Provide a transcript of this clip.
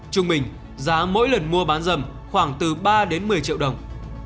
trung bình giá mỗi lần mua bán dâm khoảng từ ba một mươi triệu đồng